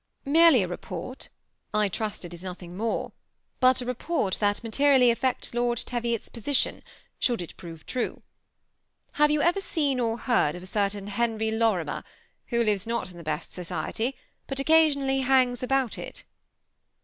"^ Merely a report. I trust it is nothing more ; bot a report that materially affects Lord Teviot's position, should it prove true. Have you ever se©ft or heard of a certain Henry Lorimer, who lives not in the best sociiety, but occasionally hangs about it